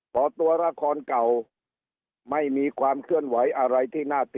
พอตัวละครเก่าไม่มีความเคลื่อนไหวอะไรที่น่าติด